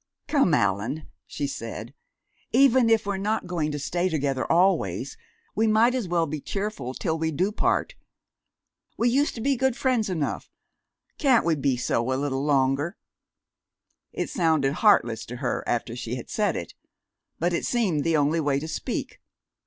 "Come, Allan!" she said. "Even if we're not going to stay together always, we might as well be cheerful till we do part. We used to be good friends enough. Can't we be so a little longer?" It sounded heartless to her after she had said it, but it seemed the only way to speak.